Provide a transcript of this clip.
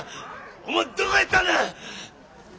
おもんどこやったんだ？